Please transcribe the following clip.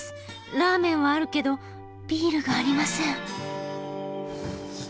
ラーメンはあるけどビールがありません。